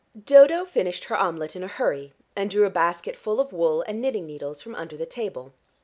Dodo finished her omelette in a hurry, and drew a basket full of wool and knitting needles from under the table.